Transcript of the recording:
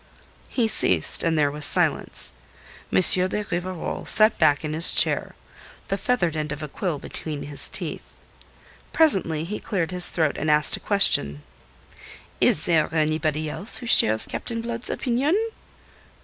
He ceased, and there was silence. M. de Rivarol sat back in his chair, the feathered end of a quill between his teeth. Presently he cleared his throat and asked a question. "Is there anybody else who shares Captain Blood's opinion?"